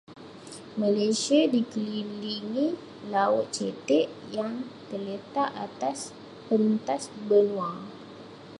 Malaysia dikelilingi laut cetek yang terletak atas pentas benua.